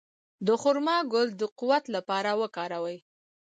د خرما ګل د قوت لپاره وکاروئ